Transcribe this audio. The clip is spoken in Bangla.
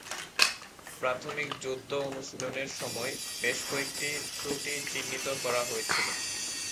প্রাথমিক যুদ্ধ অনুশীলনের সময়, বেশ কয়েকটি ত্রুটি চিহ্নিত করা হয়েছিল।